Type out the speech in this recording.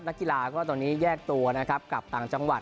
นักกีฬาก็ตอนนี้แยกตัวนะครับกลับต่างจังหวัด